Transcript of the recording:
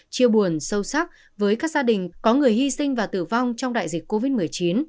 chia buồn sâu sắc với các gia đình có người hy sinh và tử vong trong đại dịch covid một mươi chín